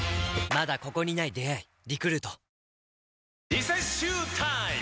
リセッシュータイム！